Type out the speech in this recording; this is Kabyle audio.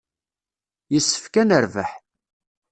Yessefk ad nerbeḥ.